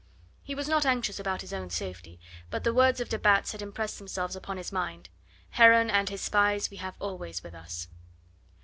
He was not anxious about his own safety; but the words of de Batz had impressed themselves upon his mind: "Heron and his spies we have always with us."